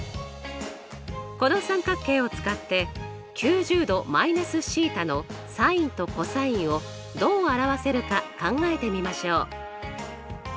この三角形を使って９０°−θのｓｉｎとｃｏｓをどう表せるか考えてみましょう。